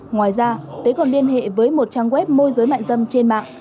ngoài ra tế còn liên hệ với một trang web môi giới mại dâm trên mạng